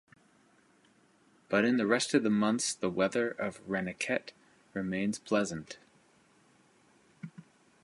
But in the rest of the months the weather of Ranikhet remains pleasant.